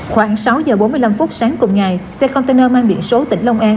khoảng sáu giờ bốn mươi năm phút sáng cùng ngày xe container mang biển số tỉnh long an